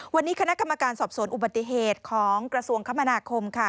วันนี้คณะกรรมการสอบสวนอุบัติเหตุของกระทรวงคมนาคมค่ะ